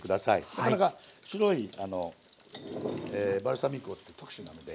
なかなか白いバルサミコ特殊なので。